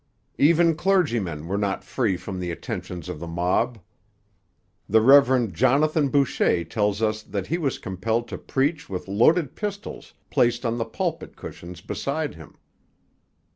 Even clergymen were not free from the attentions of the mob. The Rev. Jonathan Boucher tells us that he was compelled to preach with loaded pistols placed on the pulpit cushions beside him.